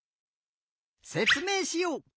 せつめいしよう。